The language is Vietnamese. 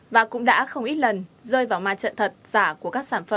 và cũng đã không ít lần rơi vào ma trận thật giả của các bạn